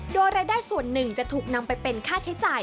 โดยรายได้ส่วนหนึ่งจะถูกนำไปเป็นค่าใช้จ่าย